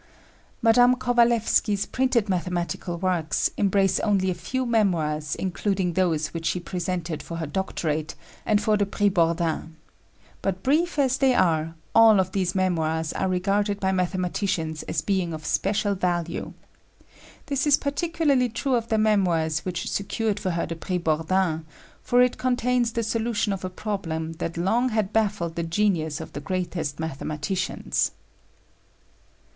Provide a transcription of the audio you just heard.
Mme. Kovalévsky's printed mathematical works embrace only a few memoirs including those which she presented for her doctorate and for the Prix Bordin. But brief as they are, all of these memoirs are regarded by mathematicians as being of special value. This is particularly true of the memoirs, which secured for her the Prix Bordin; for it contains the solution of a problem that long had baffled the genius of the greatest mathematicians.